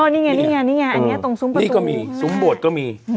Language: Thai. นี่ไงนี่ไงนี่ไงตรงสุมประตูหรือนี่ก็มีสุมโบดก็มี